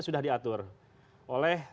sudah diatur oleh